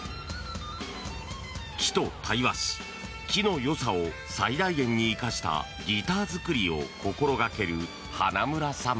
木と対話し木の良さを最大限に生かしたギター作りを心がける花村さん。